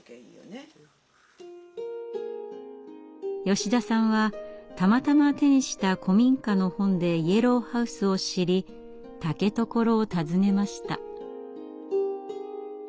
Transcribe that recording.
吉田さんはたまたま手にした古民家の本でイエローハウスを知り竹所を訪ねました。